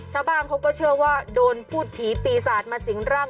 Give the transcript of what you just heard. ชาวบ้านเขาก็เชื่อว่าโดนพูดผีปีศาจมาสิงร่าง